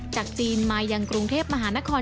จากจีนมายังกรุงเทพมหานคร